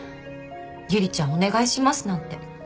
「ゆりちゃんお願いします」なんて。